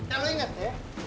nah lo inget ya